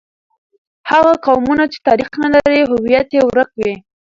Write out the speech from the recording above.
هغه قومونه چې تاریخ نه لري، هویت یې ورک وي.